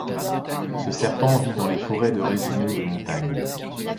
Ce serpent vit dans les forêts de résineux de montagne.